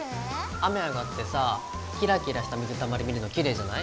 雨上がってさキラキラした水たまり見るのきれいじゃない？